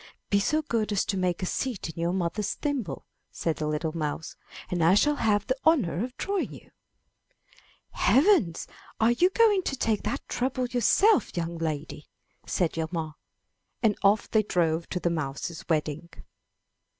"Be so good as to take a seat in your mother's 138 I N THE NURSERY thimble/* said the little mouse, and I shall have the honor of drawing you !"*' Heavens! are you going to take that trouble your self, young lady!'* said Hjalmar, and off they drove to the mouse's wedding.